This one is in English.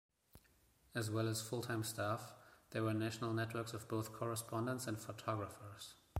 As well as full-time staff, there were national networks of both correspondents and photographers.